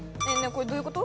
これどういうこと？